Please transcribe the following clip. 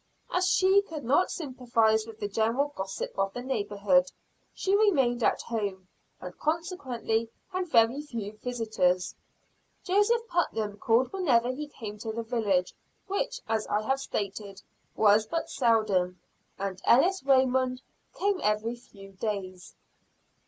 As she could not sympathize with the general gossip of the neighborhood, she remained at home, and consequently had very few visitors. Joseph Putnam called whenever he came to the village, which, as I have stated, was but seldom; and Ellis Raymond came every few days.